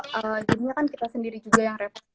jadinya kan kita sendiri juga yang repot